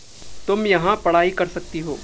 तुम यहाँ पढ़ाई कर सकती हो।